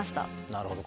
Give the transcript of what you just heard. なるほど。